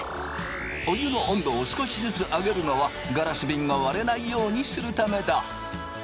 お湯の温度を少しずつ上げるのはガラスびんが割れないようにするためだ。